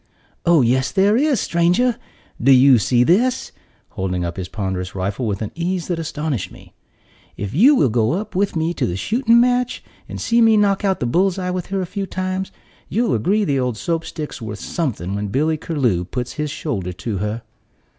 "Oh, yes there is, stranger! Do you see this?" holding up his ponderous rifle with an ease that astonished me. "If you will go with me to the shooting match, and see me knock out the bull's eye with her a few times, you'll agree the old Soap stick's worth something when Billy Curlew puts his shoulder to her."